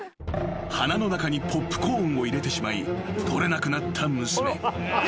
［鼻の中にポップコーンを入れてしまい取れなくなった娘］